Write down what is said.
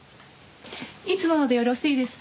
いつものでよろしいですか？